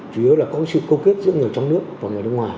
chủ yếu là có sự câu kết giữa người trong nước và người nước ngoài